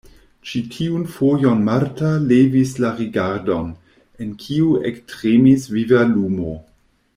Ĉi tiun fojon Marta levis la rigardon, en kiu ektremis viva lumo.